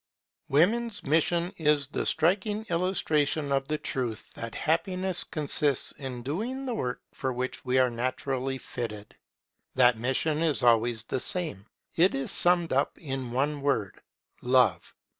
Women's mission is a striking illustration of the truth that happiness consists in doing the work for which we are naturally fitted. That mission is always the same; it is summed up in one word, Love.